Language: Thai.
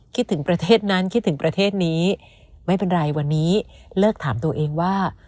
คิดถึงประเทศนั้นคิดถึงประเทศนี้ไม่เป็นไรวันนี้เลิกถามตัวเองว่า